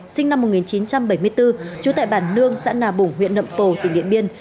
sinh năm một nghìn chín trăm bảy mươi bốn trú tại bản nương xã nà bủng huyện nậm phổ tỉnh điện biên